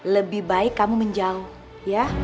lebih baik kamu menjauh ya